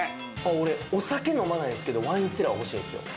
お酒飲まないんすけど、ワインセラー欲しいんですよ。